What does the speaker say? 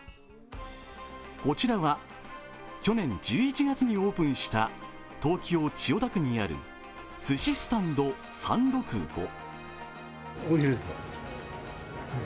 こちらは去年１１月にオープンした東京・千代田区にある鮨スタンド三六五。